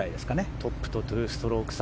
トップと２ストローク差。